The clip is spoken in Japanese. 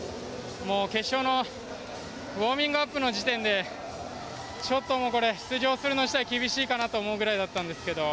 決勝のウォーミングアップの時点でちょっともうこれ出場するの自体厳しいかなと思うぐらいだったんですけど。